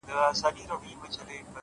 ستا هم د پزي په افسر كي جـادو!